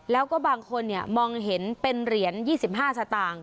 แล้วก็บางคนมองเห็นเป็นเหรียญ๒๕สตางค์